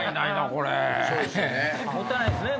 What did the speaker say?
もったいないすね